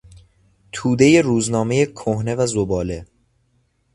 تودهی روزنامهی کهنه و زباله